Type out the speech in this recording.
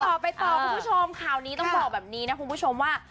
ต่อไปต่อคุณผู้ชมข่าวนี้ต้องบอกแบบนี้นะคุณผู้ชมว่า